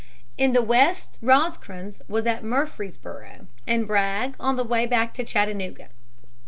In the West Rosecrans was at Murfreesboro', and Bragg on the way back to Chattanooga.